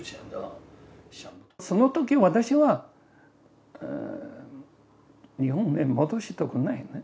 そのとき私は、日本へ戻りたくないね。